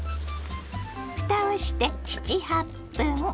ふたをして７８分。